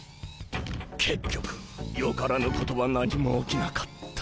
結局よからぬことは何も起きなかった。